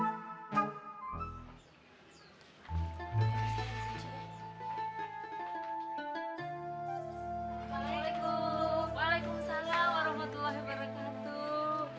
waalaikumsalam waalaikumsalam warahmatullahi wabarakatuh